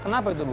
kenapa itu bu